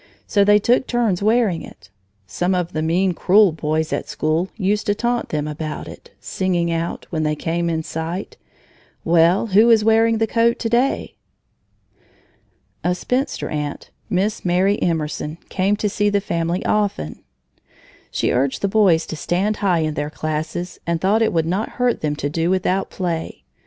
So they took turns wearing it. Some of the mean, cruel boys at school used to taunt them about it, singing out, when they came in sight: "Well, who is wearing the coat to day?" A spinster aunt, Miss Mary Emerson, came to see the family often. She urged the boys to stand high in their classes and thought it would not hurt them to do without play.